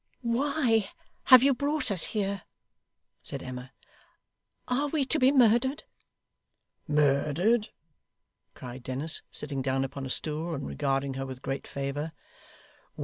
'Why have you brought us here?' said Emma. 'Are we to be murdered?' 'Murdered!' cried Dennis, sitting down upon a stool, and regarding her with great favour.